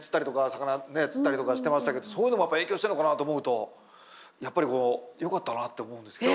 魚ね釣ったりとかしてましたけどそういうのもやっぱり影響してんのかなと思うとやっぱりこうよかったなって思うんですけどね。